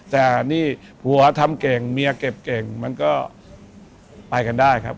แต่นี่ผัวทำเก่งเมียเก็บเก่งมันก็ไปกันได้ครับ